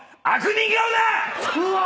うわっ！